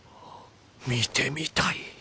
見てみたい。